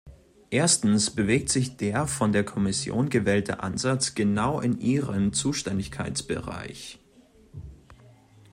Erstens bewegt sich der von der Kommission gewählte Ansatz genau in ihrem Zuständigkeitsbereich.